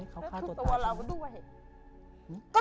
เขาฆ่าตัวตายใช่ไหม